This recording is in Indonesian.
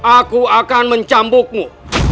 aku akan mencambukmu